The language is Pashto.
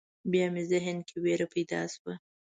بیا مې ذهن کې وېره پیدا شوه.